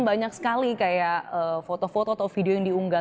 banyak sekali kayak foto foto atau video yang diunggah